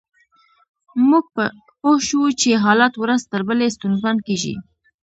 موږ پوه شوو چې حالات ورځ تر بلې ستونزمن کیږي